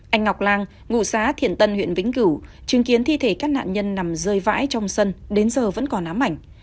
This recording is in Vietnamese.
anh ngọc lan ngụ xã thiện tân huyện vĩnh cửu chứng kiến thi thể các nạn nhân nằm rơi vãi trong sân đến giờ vẫn còn ám ảnh